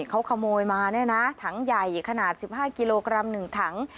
เขาขโมยมาเนี่ยนะถังใหญ่ขนาด๑๕กิโลกรัม๑ถัง